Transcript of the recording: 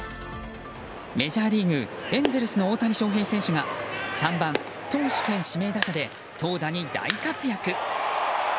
メジャーリーグエンゼルスの大谷翔平選手が３番、投手兼指名打者で投打に大活躍。